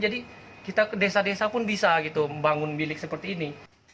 jadi kita ke desa desa pun bisa gitu membangun bilik seperti ini